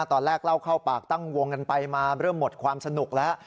ตอนแรกเล่าเข้าปากตั้งวงกันไปมาเริ่มหมดความสนุกแล้ว